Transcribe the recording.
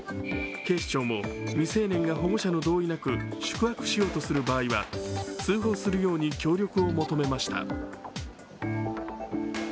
警視庁も未成年が保護者の同意なく宿泊しようとする場合は通報するように協力を求めました。